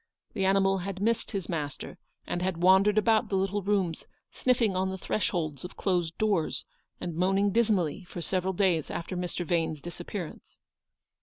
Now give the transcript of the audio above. The animal had missed his master, and had w r andered about the little rooms, sniffing on the thresholds of closed doors, and moaning dismally for several days after Mr. Vane's disappearance.